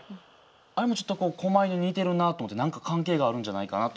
あれもちょっと狛犬に似てるなと思って何か関係があるんじゃないかなと思うんですよ。